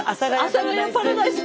阿佐ヶ谷パラダイス。